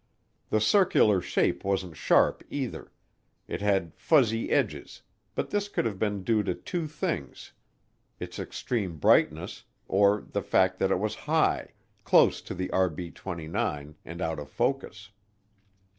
The circular shape wasn't sharp either; it had fuzzy edges, but this could have been due to two things: its extreme brightness, or the fact that it was high, close to the RB 29, and out of focus.